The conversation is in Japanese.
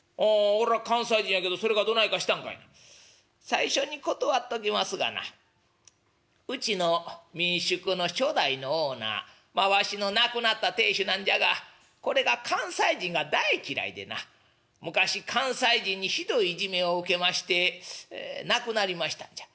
「最初に断っときますがなうちの民宿の初代のオーナーまあわしの亡くなった亭主なんじゃがこれが関西人が大嫌いでな昔関西人にひどいいじめを受けまして亡くなりましたんじゃ。